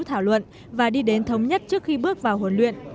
thảo luận và đi đến thống nhất trước khi bước vào huấn luyện